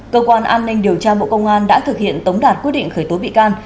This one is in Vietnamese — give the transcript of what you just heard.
cơ quan an ninh điều tra bộ công an đã thực hiện tống đạt quyết định khởi tố bị can